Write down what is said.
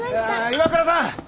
岩倉さん